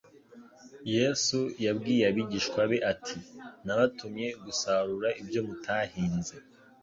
Yesu yabwiye abigishwa be ati; “Nabatumye gusarura ibyo mutahinze,